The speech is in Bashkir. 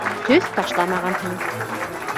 Төҫ ташламағанһың.